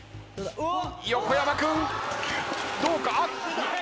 横山君どうか？